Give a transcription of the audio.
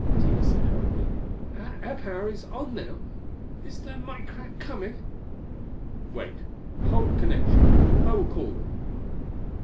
Tina said hurriedly, "Our air power is on now. Is the Micrad coming?" "Wait. Hold connection. I will call them."